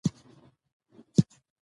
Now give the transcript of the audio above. واک د قانون تر کنټرول لاندې دی.